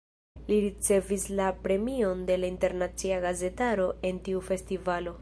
Li ricevis la premion de la internacia gazetaro en tiu festivalo.